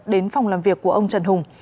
đến phòng làm việc của ông trần hùng